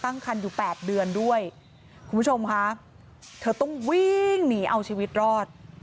ตั้งคันอยู่๘เดือนด้วยคุณผู้ชมค่ะเธอต้องวิ่งหนีเอาชีวิตรอด